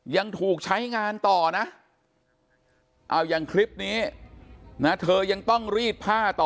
ยังถูกใช้งานต่อนะเอาอย่างคลิปนี้นะเธอยังต้องรีดผ้าต่อ